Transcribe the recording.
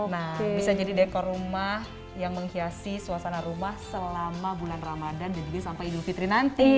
nah bisa jadi dekor rumah yang menghiasi suasana rumah selama bulan ramadan dan juga sampai idul fitri nanti